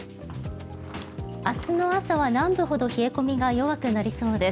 明日の朝は南部ほど冷え込みが弱くなりそうです。